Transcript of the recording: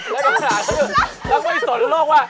แล้วก็อย่าโดนโรคว่า